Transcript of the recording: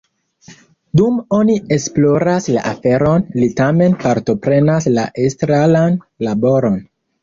Dum oni esploras la aferon, li tamen partoprenas la estraran laboron.